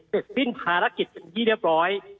สิ้นภารกิจเป็นที่เรียบร้อย